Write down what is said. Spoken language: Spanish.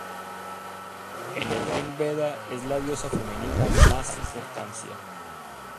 En el "Rig-veda" es la diosa femenina de más importancia.